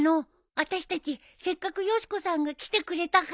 あたしたちせっかくよし子さんが来てくれたから！